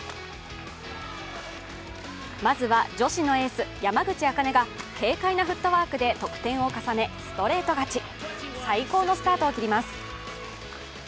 まずは、女子のエース・山口茜が軽快なフットワークで得点を重ねストレート勝ち最高のスタートを切ります。